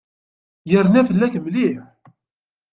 Yerna fell-ak mliḥ.